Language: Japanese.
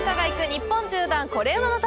日本縦断コレうまの旅」